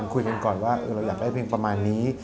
คุยกันก่อนว่าเราอยากได้เพลงประมาณนี้